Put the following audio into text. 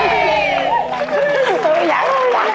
สวัสดีครับ